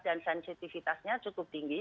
dan sensitifitasnya cukup tinggi